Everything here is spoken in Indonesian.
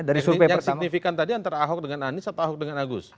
yang signifikan tadi antara ahok dengan anies atau ahok dengan agus